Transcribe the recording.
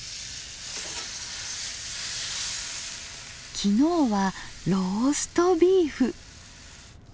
昨日はローストビーフ。